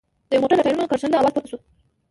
د يوه موټر له ټايرونو کرښنده اواز پورته شو.